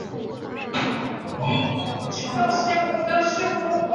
赵惠文王决定让赵奢率军救援阏与。